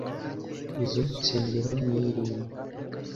izo nsengero ni rimbi